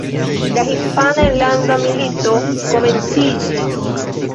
La Hispana Enlanda Milito komenciĝis.